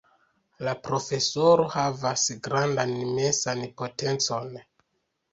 La Profesoro havas grandan mensan potencon.